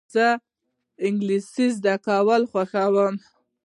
زه انګلېسي زده کول خوښوم.